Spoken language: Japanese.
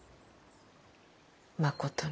まことに。